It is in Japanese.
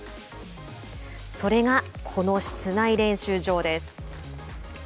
それが、この室内練習場です。